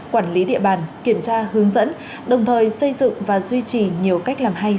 quản lý địa bàn kiểm tra hướng dẫn đồng thời xây dựng và duy trì nhiều cách làm hay